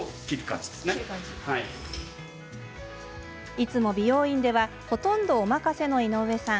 いつも美容院ではほとんどお任せの井上さん。